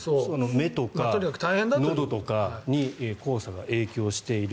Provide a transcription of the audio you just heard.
目とかのどとかに黄砂が影響している。